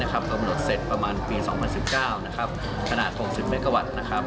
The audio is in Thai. กำหนดเสร็จประมาณปี๒๐๑๙ขนาด๖๐เมกาวัตต์